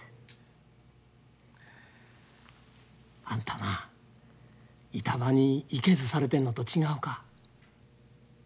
あんたな板場にイケズされてんのと違うか？